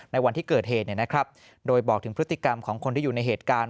วันที่เกิดเหตุโดยบอกถึงพฤติกรรมของคนที่อยู่ในเหตุการณ์